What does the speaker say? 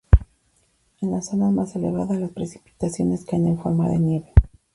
En las zonas más elevadas las precipitaciones caen en forma de nieve.